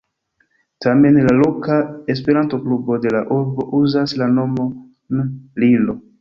Tamen la loka E-klubo de la urbo uzas la nomon "Lillo".